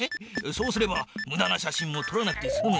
そうすればむだな写真もとらなくてすむ。